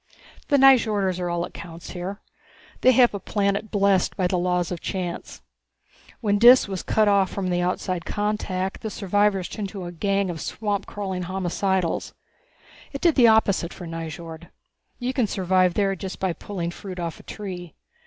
The Nyjorders are all that counts here. They have a planet blessed by the laws of chance. When Dis was cut off from outside contact, the survivors turned into a gang of swampcrawling homicidals. It did the opposite for Nyjord. You can survive there just by pulling fruit off a tree.